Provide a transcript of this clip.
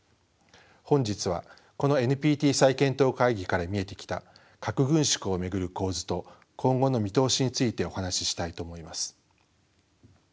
本日はこのＮＰＴ再検討会議から見えてきた核軍縮を巡る構図と今後の見通しについてお話ししたいと思います。